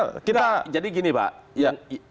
jadi gini pak yang intinya satu mas indra